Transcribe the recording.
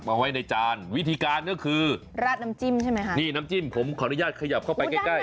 เอาไว้ในจานวิธีการก็คือนี่น้ำจิ้มผมขออนุญาตขยับเข้าไปใกล้